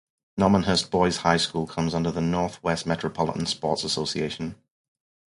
Normanhurst Boys High School comes under the North West Metropolitan Sports Association.